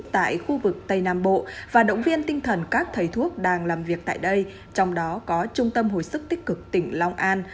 tại khu vực tây nam bộ và động viên tinh thần các thầy thuốc đang làm việc tại đây trong đó có trung tâm hồi sức tích cực tỉnh long an